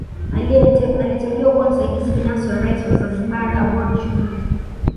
Aliteuliwa kuwa msaidizi binafsi wa Rais wa Zanzibari Aboud Jumbe